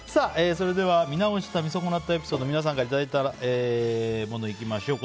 それでは見直した＆見損なったエピソード皆さんからいただいたものいきましょう。